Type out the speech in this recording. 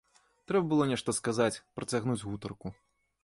Трэба было нешта сказаць, працягнуць гутарку.